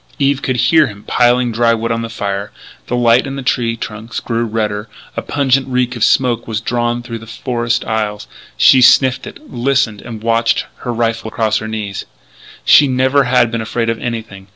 Eve could hear him piling dry wood on the fire; the light on the tree trunks grew redder; a pungent reek of smoke was drawn through the forest aisles. She sniffed it, listened, and watched, her rifle across her knees. Eve never had been afraid of anything.